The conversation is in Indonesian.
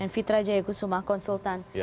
fitra jayaku suma konsultan